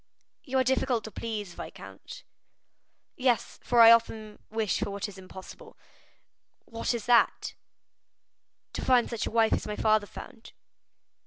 "You are difficult to please, viscount." "Yes, for I often wish for what is impossible." "What is that?" "To find such a wife as my father found."